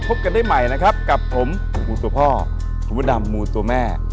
พบกันได้ใหม่นะครับกับผมมูตัวพ่อคุณพระดำมูตัวแม่